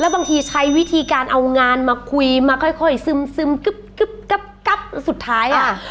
บางทีใช้วิธีการเอางานมาคุยมาค่อยซึมกึ๊บสุดท้ายอ่ะ